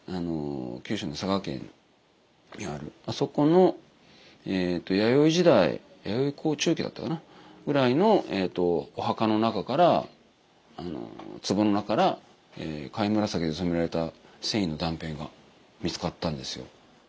九州の佐賀県にあるあそこの弥生時代弥生後・中期だったかなぐらいのお墓の中から壺の中から貝紫で染められた繊維の断片が見つかったんですよ。